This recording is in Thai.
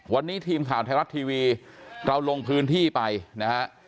วันนี้ทีมข่าวไทยรัฐทีวีเราลงพื้นที่ไปนะฮะ